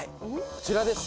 こちらです